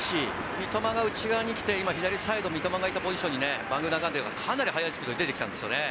三笘が内側に来て今、左サイドに三笘がいたポジションにバングーナガンデがかなり速いスピードで出てきたんですよね。